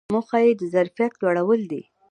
موخه یې د ظرفیت لوړول دي.